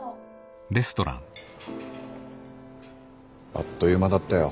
あっと言う間だったよ。